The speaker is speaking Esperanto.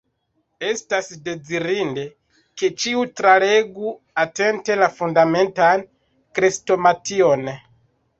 Estas dezirinde, ke ĉiu, tralegu atente la Fundamentan Krestomation.